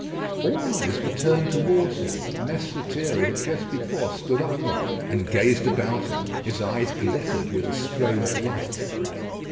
All eyes were turned towards him. Mess Lethierry had just before stood upright, and gazed about him. His eyes glittered with a strange light.